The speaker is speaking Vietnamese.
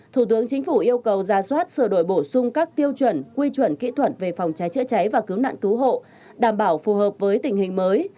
thủ tướng chính phủ yêu cầu ra soát sửa đổi bổ sung các tiêu chuẩn quy chuẩn kỹ thuật về phòng cháy chữa cháy và cứu nạn cứu hộ đảm bảo phù hợp với tình hình mới